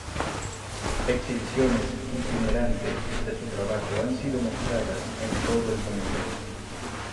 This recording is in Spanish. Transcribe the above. Exhibiciones itinerantes de su trabajo han sido mostradas en todo el mundo.